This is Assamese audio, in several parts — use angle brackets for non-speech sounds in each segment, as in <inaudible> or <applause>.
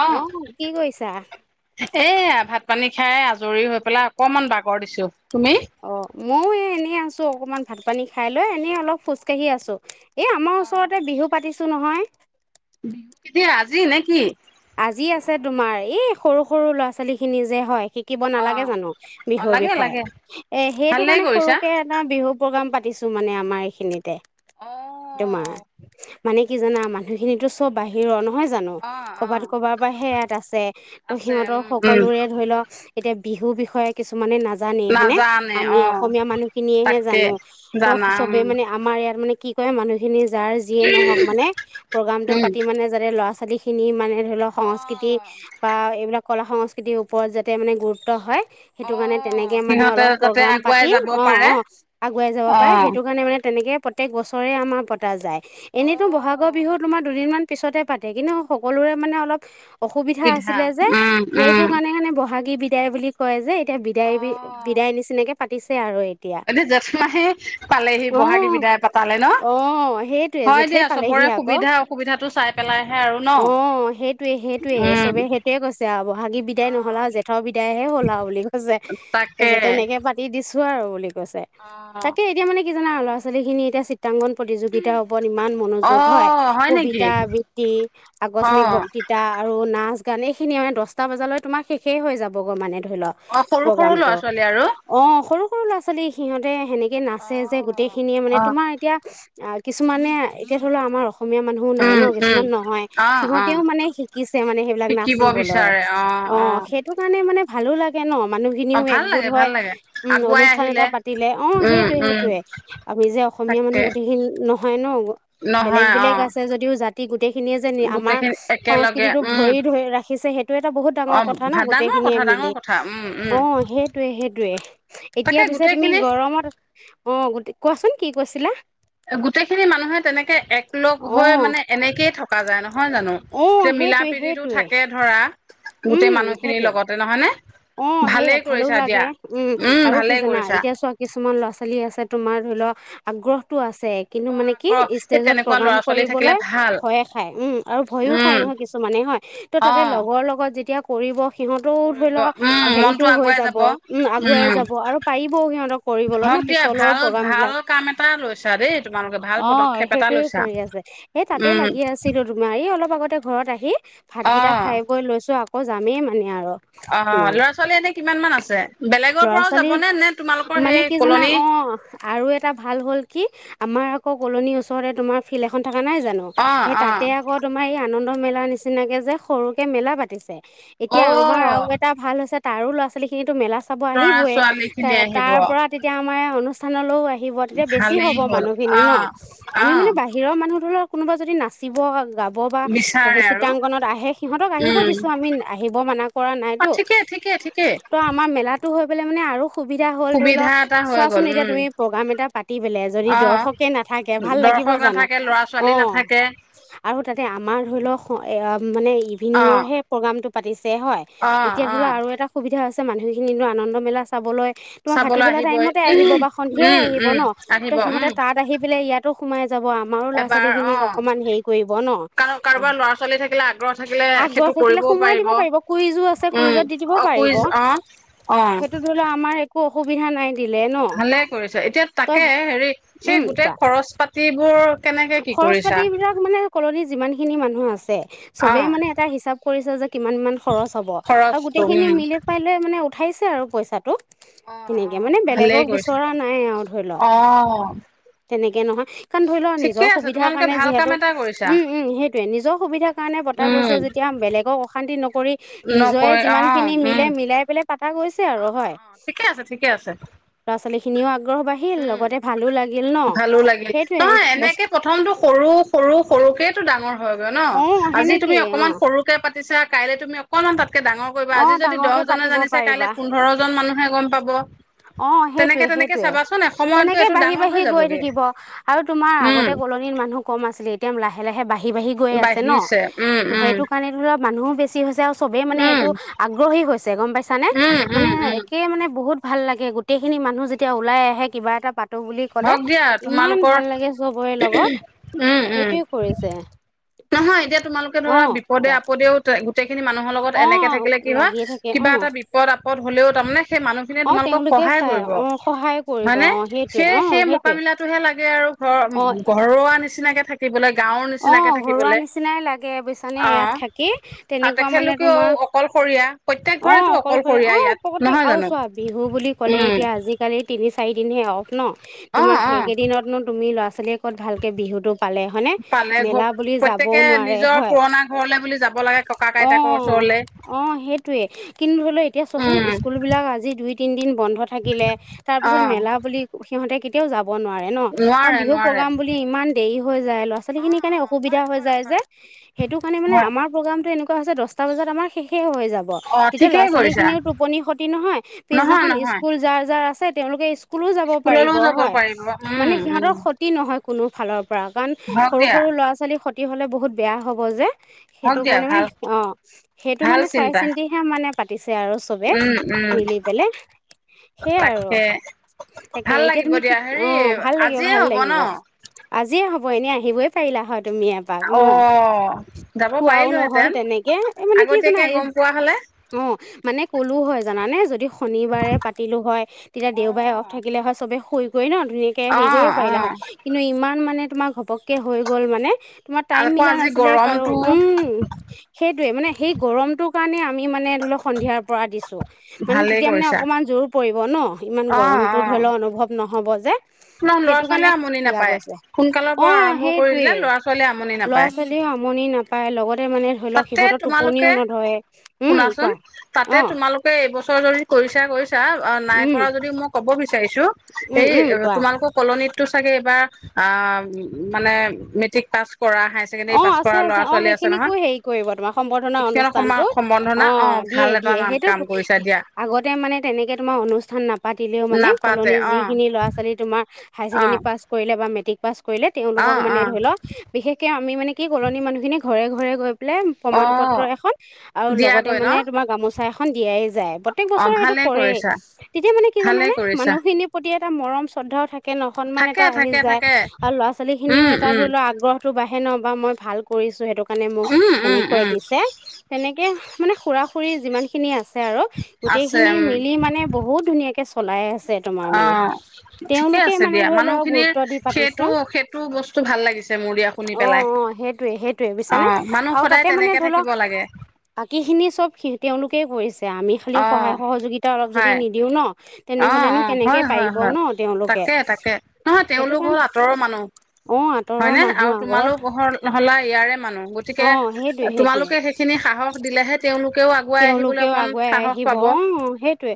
অ এয়া ভাত পানী খাই আজৰি হৈ পেলাই অকমান বাগৰ দিছো তুমি ময়ো এই এনেই আছোঁ অকণমান ভাত পানী খাই লৈ এনেই অলপ খোজকাঢ়ি আছোঁ এই আমাৰ ওচৰতে বিহু পাতিছে নহয় কেতিয়া আজি নে কি আজি আছে তোমাৰ এই সৰু সৰু ল'ৰা ছোৱালী খিনি যে হয় শিকিব নালাগে জানো বিহুৰ বিষয়ে এ সেইটো কাৰণে সৰুকে এটা বিহু প্ৰগ্ৰাম পাতি পাতিছোঁ মানে আমাৰ এইখিনিতে তোমাৰ মানে কি জানা মানুহখিনিতো চব বাহিৰৰ নহয় জানো কৰ'বাত কৰবাৰ পৰা সে ইয়াত আছে ত' সিহঁতৰ সকলোৰে ধৰি লওক এতিয়া বিহু বিষয়ে কিছুমানে নাজানে জানেই হয় নে আমি অসমীয়া মানুহ খিনিয়েহে জানো ত চবে মানে আমাৰ ইয়াত মানে কি কয় মানুহখিনি যাৰ যিয়ে নহওক মানে প্ৰগ্ৰাম তটো পাতি মানে যাতে ল'ৰা ছোৱালী আলিখিনি মানে ধৰি লওক সংস্কৃতি বা এইবিলাক কলা সংস্কৃতিৰ ওপৰত যাতে মানে গুৰুত্ব হয় সেইটো কাৰণে তেনেকে মানে অলপ প্ৰগ্ৰাম পাতি অ অ আগুৱাই যাব পাৰে সেইটো কাৰণে মানে তেনেকে প্ৰত্যেক বছৰেই আমাৰ পতাহ যায় এনেইতো বহাগৰ বিহু তোমাৰ দুদিনমান পিছতে পাতে কিন্তু সকলোৰে মানে অলপ অসুবিধা আছিলে যে সেইটো কাৰণে কাৰণে বহাগী বি দেই বুলি কয় যে এতিয়া বিদায় বিদায় নিচিনাকে পাতিছে আৰু এই এতিয়া জেঠ মাহে পালেহি বহাগী বিদায় পতালে ন হয় দিয়া চবৰে সুবিধা অসুবিধাটো চাই পেলাইহে আৰু অ সেইটোৱে সেইটোৱে চবে সেইটোৱে কৈছে আৰু বহাগী বিদায় নহলা আৰু জেঠৰ বিদায় হে হ'ল আৰু বুলি কৈছে কৈছে তেনেকে পাতি দিছো আৰু বুলি গৈছে তাকে এতিয়া মানে কি জানা ল'ৰা ছোৱালী খিনি এতিয়া কাংগন প্ৰতিযোগিতাৰ হব ইমান মনোযোগ হয় কবিতা আবৃত্তি আকস্মিক বক্তৃতা আৰু নাম নাচ গান এইখিনি মানে দহটা বজাল তোম শেষে হৈ যাবগৈ মানে ধৰি লোৱা প্ৰগ্ৰামটো অ সৰু সৰু ল'ৰা ছোৱালী সিহঁতে সেনেকে নাচে যে গোটেই খিনিয়ে মানে তোমাৰ এতিয়া কিছুমানে এতিয়া ধৰিলোৱা আমাৰ অসমীয়া মানুহো নাই ন কিছুমান নহয় সিহঁতেও মানে শিকিছে মানে সেইবিলাক নাচিবলৈ অ সেইটো কাৰণে মানে ভালো লাগে ন মানুহ খিনিও একগোট হয় উম অনুষ্ঠান এটা পাতিলে অ সেইটোৱে সেইটোৱে আমি যে অসমীয়া মানুহ গোটেইখিনি নহ ধনক বেলেগ-বেলেগ আছে যদিও জাতি গোটেইখিনিয়ে আমাৰ সংস্কৃতিটোক ধৰি-ধৰি ৰাখি শিছে সেইটো এই এটা বহুত ডাঙৰ কথা ন গোটেইখিনিয়ে মিলি অ', সেইটোয়ে-সেইটোয়ে এতিয়া পিছে তুমি গৰমত অ', গ কোৱাচোন কি কৈছিলা? গোটেইখিনি মানুহে তেনেকে এক লগ হৈ মানে এনেকেই থকা যায় নহয়। হয়-হয় জানো যে মিলা প্ৰীতিতটো থাকে ধৰা। গোটেই মানুহখিনিৰ লগতে নহয় নে? অ', সেইয়ে ভালো লাগে উম, আৰু কি জানা এতিয়া চোৱা কিছুমান ল'ৰা-ছোৱালী আছে তোমাৰ ধৰি লওক- আগ্ৰহটো আছে। কিন্তু মানে কি? ষ্টেজত প্ৰগ্ৰাম কৰিবলৈ ভয়ে খাই উম, আৰু ভয়ো খায় নহয় কিছুমানে হয় ত' তাকতে লগৰ লগত যেতিয়া পৰিৱ সিহঁতও ধৰি লওক হেৰিতটো হৈ যাব উম, আগুৱাই যাব আৰু পাৰিবও সিহঁতক কৰিবলৈ ন, পিছলৈ প্ৰগ্ৰাম বিলাক অ', সেইটোয়ে কৰি আছে সেই তাতে লাগি আছিলো তোমাৰ অলপ আগতে ঘৰত আহি ভাতকেইটা খাই গৈ লৈছো আকৌ অ', যামেই মানে আৰু। <unintelligible> তোমাৰ লৰা-ছোৱালী মানে কি জাননা অ', আৰু এটা ভাল হ'ল কি? আমাৰ আকৌ কলনীৰ ওচৰৰে তোমাৰ ফিল্ড এখন থকা নাই জানো সেই তাতে আকৌ তোমাৰ এই আনন্দ মেল <unintelligible> নিচিনাকে যে সৰু কে মেলা পাতিছে। এতিয়া আমাৰ <unintelligible> <unintelligible> তাৰো ল'ৰা-চোৱালী খিনিতো মেলা চাব আহিবই, তা - তাৰ পৰা তেতিয়া আমাৰ এই অনুচ্ <unintelligible> আহিব, তেতিয়া বেছি হ'ব মানুহখিনি ন'। আমি মানে বাহিৰৰ মানুহ ধৰক কোনোবা যদি নাচিব গাব ব বা সেই চিত্ৰাংকনত আহে সিহঁতক আহিব দিছো আমি আহিব মানা কৰা নাইতো। ঠিকে, ঠিকে, ঠিকে। <unintelligible> মানে আৰু সুবিধা হ'ল ধৰি ল', চোৱাচোন এতিয়া তুমি প্ৰগ্ৰাম এটা পাতি পেলে যদি দৰ্শকে নাথাকে ভাল লাগিব জানো? অ', আৰু তাতে আমাৰ ধৰি ল' স - এয়া মানে ইভিনিঙৰ হে প্ৰগ্ৰামটো <unintelligible> <unintelligible> <unintelligible> সুবিধা <unintelligible> মানুহখিনি ন', আনন্দ মেলা চাবলৈ তোমাৰ ভাতিবেলা টাইমতে আহিব বা সন্ধিয়াই আহিব ন', ত' সিহঁতে তাত আহি পেলাই ইয়াতো <unintelligible> যাব। আমাৰো ল'ৰা-ছোৱালী খিনিক অকমান হেৰি কৰিব ন'। আ - আগ্ৰহ থাকিলে সুমুৱাই দিব পাৰিব, কুইজো আছে কুইজত দি দিব পাৰিব, সেইটো ধৰি ল আমাৰ একো সুবিধা নাই। ভালে কৰিছা। এতিয়া তাকে হেৰি সেই গোটেই খৰচ পাত <unintelligible> খৰচ পাতি বিলাক মানে কলনিত যিমান খিনি মানুহ আছে চবেই মানে এটা হিচাপ কৰিছে যে কিমানমান খৰচ হ'ব আৰু গোটেইখিনি মিলি পাই লৈ মানে উঠাইছে। <unintelligible> আৰু পইচাটো। সেনেকে মানে বেলেগক বিচৰা নাই আৰু ধৰি ল'। তেনেকে নহয় <unintelligible> জৰ সুবিধাৰ কাৰণে যিহেতু, উম উম সেইটোৱে। নিজৰ সুবিধা কাৰণে পতা গৈছে যেতিয়া বেলেগক অশান্তি নকৰি নিজৰে যিমান খিনি মিলে মিলাই পেলাই পাতা গৈছে আৰু হয়। <unintelligible> <unintelligible> <unintelligible> বাঢ়িল লগতে ভালো লাগিল ন', সেইটোয়ে বচ প্ৰথমটো সৰু-সৰু-সৰুকৈতটো ডাঙৰ হয় আজি তুমি অকমান সৰুকে পাতিছা কাইলৈ তুমি অকণমান ত ডাঙৰ কৰিবা আজি যদি দহজনে জানিছে কাইলৈ পোন্ধৰ জন মানুহে গম পাব অ', সেইটোয়ে-সেইটোয়ে অহ', তেনেকে বাঢ়ি বাঢ়ি গৈ থাকিব আৰু তোমাৰ আগতে কলনিত মানুহ কম আছিলে একদম লাহে লাহে বাঢ়ি বাঢ়ি বাঢ়ি গৈ আছে ন', -ত', সেইটো কাৰণে ধৰা মানুহো বেছি <unintelligible> চবে মানে এইটো আগ্ৰহী হৈছে গম পাইছা নে? মানে একে মানে বহুত ভাল লাগে গোটেইখিনি মানুহ যেতিয়া ওলাই আহে কিবা এটা পা হওক দিয়া তোমালোকৰ উম উম নহয় এতিয়া তোমালোকে ধৰা বিপদে আপদেও গোটেইখিনি মানুহৰ লগত এনেকে থাকিলে কি হয় কিবা এটা বিপদ আপদ হলেও <unintelligible> অ' তেওঁলোকে চাই। অ সহায় কৰিব। অ' সেই সেই - সেই মোকামিলা টোহে লাগে আৰু ঘৰ- ঘৰুৱা নিচিনা। এনেকে থাকিবলৈ অ ঘৰুৱা নিচিনাই লাগে বুইছানে ইয়াত থাকি। তেনেকুৱা মানে তোমাৰ। অ' অকলশৰীয়া অ <unintelligible> আৰু চোৱা বিহু বুলি ক'লে এতিয়া আজিকালি তিনি চাৰিদিনহে আৰু। ন? তোমাৰ সেইকেইদিনতনো তুমি ল'ৰা ছোৱ ছোৱালীয়ে ক'ত ভালকে বিহুটো পালে হয় নে? মেলা বুলি যাবও নোৱাৰে হয়। অ' অ' সেইটোয়ে, কিন্তু ধৰি লোৱা এতিয়া চোৱাচোন স্কুল বিলাক আজি দুই তিনিদিন বন্ধ থাকিলে তাৰ পিছত মেলা বুলি সিহঁতে তেওঁ যা ব নোৱাৰে ন। আৰু বিহু প্ৰগ্ৰাম বুলি ইমান দেৰি <unintelligible> কাৰণে অসুবিধা হৈ যায় যে। সেইটো কাৰনে মানে আমাৰ প্ৰগ্ৰামটো এনেকু <unintelligible> দচটা বজাত আমাৰ শেষে হৈ যাব। তেতিয়া ল'ৰা ছোৱালী খিনিও টোপনি ক্ষতি নহয়, পিছদিনাখন স্কুল যাৰ যাৰ আছে তেওঁলোকে স্কু কুলু যাব পাৰিব হয়। মানে সিহতৰ ক্ষতি নহয়। কোনো ফালৰ পৰা কাৰণ সৰু সৰু ল'ৰা ছোৱালী স তি হ'লে বহুত বেয়া হ'ব যে। সেইটো কাৰণে মানে অ সেইটো মানে চাই চিন্তিহে মানে পাতিছে আৰু চবে মিলি পেলে। সেয়ে আৰু তাকে এতিয়া তুমি কি অ ভাল লাগিব ভাল লাগিব। আজিয়ে হ'ব এনেই আহিবই পাৰিলাহৈ তুমি এপাক ন। কোৱাও নহল তেনেকে এই মানে কি জানা এই অ মানে কলো হয় জানানে যদি শনিবাৰে পাতিলোঁ হয় তেতিয়া দেওবাৰে অফ থাকিলে হয় চবেই শুই কৈ ন ধুনীয়াকে হেৰি কৰিব পাৰিলা হয় কিন্তু ইমান মানে তোমাক হ'বক হৈ গ'ল মানে তোমাৰ টাইম মিলা নাছিলে কাৰো উম সেইটোৱে মানে সেই গৰমটো পনীয়া মানে ধৰি লওক সন্ধিয়া পৰা দিছো মানে যেতিয়া মানে জৰুৰ পৰি বন ইমান গৰমতটো ধৰি লও অনুভৱ নহব যে সেইটো কাৰণে দিয়া গৈছে অ কৰি দিলে ল'ৰা ছোৱালীয়ে আমনি নাপায় শুনি নাপায় লগত তাতে তোমালোকে শুনাচোন তাতে তোমালোকে এইবছৰ যদি কৰিছা কৰিছা অ নাই কৰা যদি মই ক'ব ছো সেই তোমালোকৰ কলনি ছাগে এইবাৰ মানে মেট্ৰিক পাছ কৰা হায়াৰ ছেকেণ্ডেৰী পছ কৰা ল'ৰা ছোৱালী আছে নহয় কৰিব তোমাৰ সম্বৰ্ধনা অনুষ্ঠানতটো অ দিয়ে দিয়ে সেইটো আগতে মানে তেনেকে তোমাৰ অনুষ্ঠান নাপাতিলেও মানে কলনীৰ যিখিনি ল'ৰা ছোৱালী তোমাৰ হাইচেকনডাৰি পাছ কৰিলে বা মেটিক পাছ কৰিলে তেওঁলোকক মানে ধৰি লওক বিশেষ এতিয়া আমি মানে কি কলনি মানুহখিনিয়ে ঘৰে ঘৰে গৈ লৈ পেলাই প্ৰমাণ পত্ৰ এখন আৰু লগতে মানে তোমাৰ গামোচা এখন দিয়াই যায় প্ৰত্যেক বছৰে সেইটো কৰেই তেতিয়া মানে কি জানানে মানুহখিনিৰ প্ৰতি এক এটা মৰম শ্ৰদ্ধাও থাকে ন সন্মান এটা আহি যায় আৰু ল'ৰা ছোৱালী খিনিও এটা ধৰি লওক আগ্ৰহ টো বাঢ়ে ন বা মই ভাল কৰিছো সেইটো কাৰণে মোক এনেকৈ দিছে তেনেকে মানে খুৰা খুৰী যিমানখিনি আছে আৰু গোটেইখিনি মিলি মানে বহুত ধুনীয়াকে চ পলাই আছে অ ঠিকে আছে দিয়া মানুহখিনিৰ সেইটো সেইটো বস্তু ভাল লাগিছে মোৰ অ অ সেইটোৱে সেইটোৱে বুজিছানে আৰু তাতে মানে ধৰি লওক বাকী খিনি চব তেওঁলোকেই কৰিছে যে আমি খালি সহায় সহযোগিতা অলপ যদি নিদিওঁ ন অ অ হয় হয় হয় তাকে তাকে নহয় তেওঁলোক হ'ল আঁতৰৰ মানুহ হয়নে তোমালোক পহ হলা ইয়াৰে মানুহ গতিকে তোমালোকে সেইখিনি সাহস দিলেহে তেওঁলোকেও আগুৱাই আহিবলৈ অকন সাহস পাব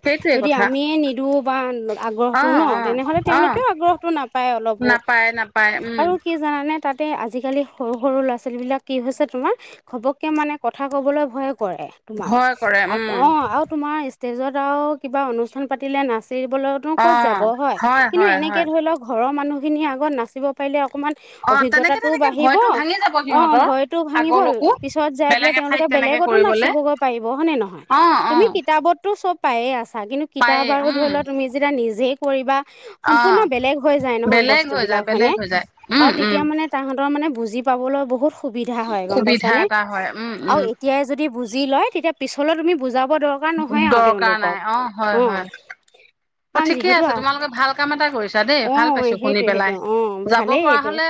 সেইটোৱে কথা নিদো বা আগ্ৰহটো ন তেনেহলে তেওঁলোকেও আগ্ৰহটো নাপায় অলপো আৰু কি জানানে তাতে আজিকালি সৰু সৰু ল'ৰা ছোৱালী বিলাক কি হৈছে তোমাৰ ঘপককে মানে কথা কবলৈ ভয় কৰে তোমাৰ অ অ আৰু তোমাৰ ষ্টেজত আৰু কিবা অনুষ্ঠান পাতিলে নাচে নাচি বলৈতো ক'ত যাব হয় কিন্তু এনেকে ধৰি লওক ঘৰৰ মানুহ খিনি আগত নাচিব পাৰিলে অকণমান অভিজ্ঞতাটোও বাঢ়িব অ ভয়তো ভাঙিব পিছত যাই পেলাই তেওঁলোকে বেলেগতো নাচিবগৈ পাৰিব হয়নে নহয় তুমি কিতাপতো চব পায়ে আছা কিন্তু কিতাপ আৰু ধৰি লোৱা তুমি যেতিয়া নিজে কৰিবা অ বেলেগ হৈ যায় বেলেগ হৈ যায় উম উম মানে তাহতৰ মানে বুজি পাবলৈ বহুত সুবিধা হয় গম পাইছানে আৰু এতিয়াই যদি বুজি লয় তেতিয়া পিছলৈ তুমি বুজাব দৰকাৰ নাই অ হয় হয় অ ঠিকে আছে তোমালোকে ভাল কাম এটা কৰিছা দেই ভাল পাইছো শুনি পেলাই যাব পৰা হলে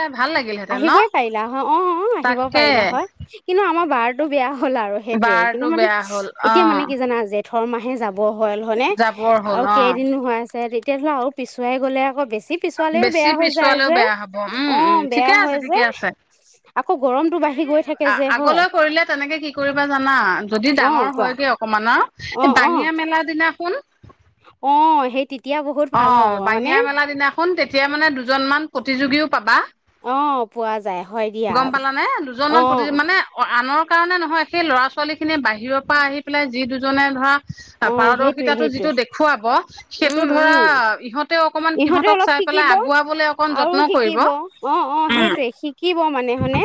আহিবই পাৰিলা হয় অ আহিব পাৰিলা হয় কিন্তু আমাৰ বাৰটো বেয়া হ'ল আৰু সেইটোৱে কিন্তু মানে এতিয়া মানে কি জানা যে ওঠৰ মাহ হে যাম ব হল হয়নে আৰু কেইদিনো হৈ আছে তেতিহলে আৰু পিছুৱাই গ'লে আকৌ বেছি। পিছুৱালেও বেয়া হৈ যায় যে উম উম ঠিকে আছে ঠিকে আছে হেৰি আগলৈ কৰিলে তেনেকে কি কৰিবা জানা। যদি ডাঙৰ হয় গে অকমানৰ। এই বাঙিয়া মেলাৰ দিনাখনন অ সেই তেতিয়া অ বাঙিয়া মেলা দিনাখন তেতিয়া মানে দুজনমান প্ৰতিযোগীও। পাবা, গম, পালানে দুজনমান প্ৰতিজন মানে আনৰ। কাৰণে নহয় সেই ল'ৰা ছোৱালী খিনি বাহিৰৰ পৰা আহি পেলাই যি দুজনে ধৰা। পাৰদৰ্শিতাটো যিটো দেখুৱাব সেইটো। ধৰা ইহঁতে অকমান সিহঁতক চাই পেলাই আগুৱাবলে অকন যত্ন কৰিব উ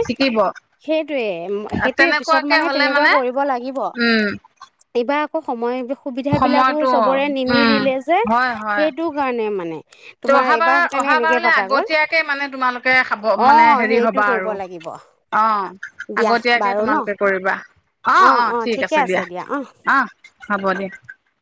শিকিব। পে, সেইটো এ পিছত মানে তেনেকুৱা কৰিব লাগিব। এইবাৰ সময়বোৰ সুবিধাাবিলাকো চবৰে নিমিলিলে যে সেইটো কাৰণে মানে। তোৰ অহাবাৰ অহাবালে আগতীকে তোমালোকে খাব মানে হেৰি হবা আৰু অ আগতীয়াকে তোমালোকে কৰিবা। অ অ ঠিক আছে দিয়া অ হ 'ব দিয়া